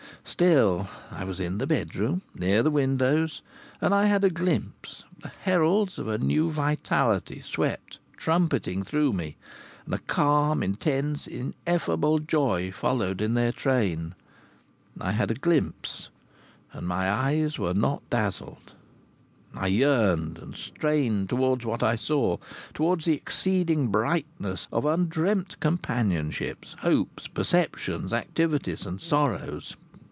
Still, I was in the bedroom, near the windows. And I had a glimpse.... The heralds of a new vitality swept trumpeting through me, and a calm, intense, ineffable joy followed in their train. I had a glimpse.... And my eyes were not dazzled. I yearned and strained towards what I saw, towards the exceeding brightness of undreamt companionships, hopes, perceptions, activities, and sorrows.